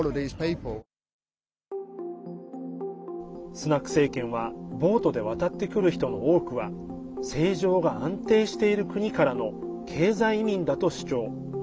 スナク政権はボートで渡ってくる人の多くは政情が安定している国からの経済移民だと主張。